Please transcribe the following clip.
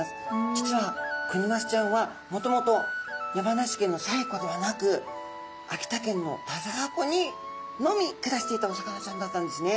実はクニマスちゃんはもともと山梨県の西湖ではなく秋田県の田沢湖にのみ暮らしていたお魚ちゃんだったんですね。